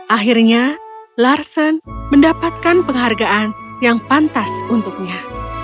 akhirnya larsen mendapatkan penghargaan yang pantas untuknya